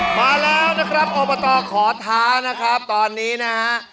มาแล้วนะครับอบตขอท้านะครับตอนนี้นะฮะ